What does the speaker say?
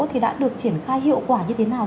thì đã được triển khai hiệu quả như thế nào